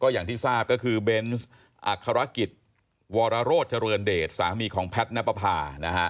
อย่างที่ทราบก็คือเบนส์อัครกิจวรโรธเจริญเดชสามีของแพทย์ณปภานะฮะ